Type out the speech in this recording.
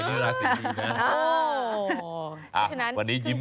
กระแทกตายด้วยราศิมีนะ